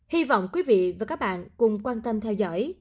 hy vọng quý vị và các bạn cùng quan tâm theo dõi